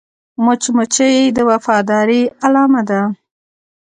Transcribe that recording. مچمچۍ د وفادارۍ علامه ده